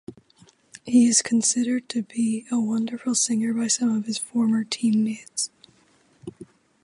He is considered to be a wonderful singer by some of his former team-mates.